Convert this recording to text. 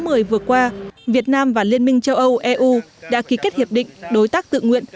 người vừa qua việt nam và liên minh châu âu eu đã ký kết hiệp định đối tác tự nguyện